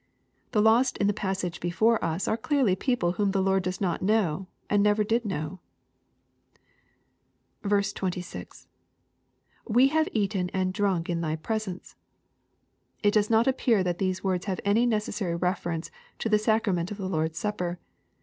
The lost in the passage before ua are clearly people whom the Lord does not know, and never did know. 26. —[ We have eaten and drunk in thy presence.] It does not appear that these words have any necessary reference to the sacrament of the Lord's Supper.